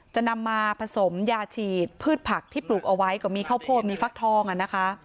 จะนำมาผสมยาฉีดพืชผักที่ปลูกเอาไว้ก็มีข้าวโพดมีฟักทองอ่ะนะคะ